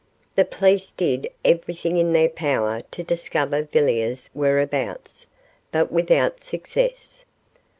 The police did everything in their power to discover Villiers' whereabouts, but without success.